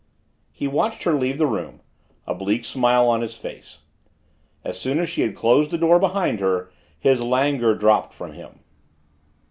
He watched her leave the room, a bleak smile on his face. As soon as she had closed the door behind her, his languor dropped from him.